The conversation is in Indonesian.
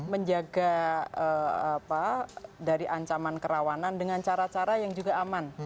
menjaga dari ancaman kerawanan dengan cara cara yang juga aman